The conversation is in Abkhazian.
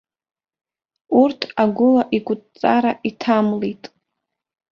Урҭ агәыла икәытҵара иҭамлеит.